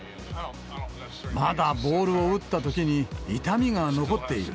まだボールを打ったときに痛みが残っている。